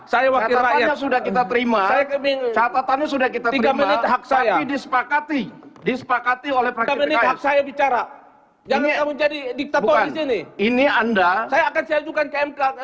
catatannya sudah kita terima catatannya sudah kita terima tapi disepakati oleh praksi pks